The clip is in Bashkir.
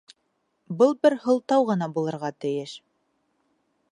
Был бер һылтау ғына булырға тейеш.